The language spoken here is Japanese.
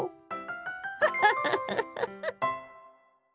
フフフフフ。